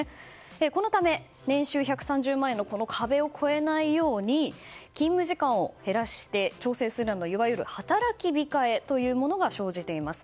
このため、年収１３０万円の壁を超えないように勤務時間を減らして調整するなどいわゆる働き控えが生じています。